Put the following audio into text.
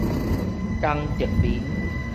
江澤民